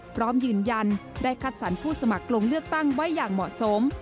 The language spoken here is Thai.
พร้อมยืนยันได้คัดสรรผู้สมัครลงเลือกตั้งไว้อย่างเหมาะสม